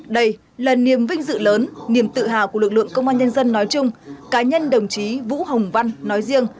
đây là niềm vinh dự lớn niềm tự hào của lực lượng công an nhân dân nói chung cá nhân đồng chí vũ hồng văn nói riêng